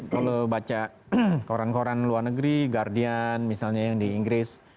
kalau baca koran koran luar negeri guardian misalnya yang di inggris